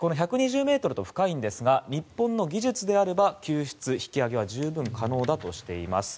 １２０ｍと深いんですが日本の技術であれば救出・引き揚げは十分可能だとしています。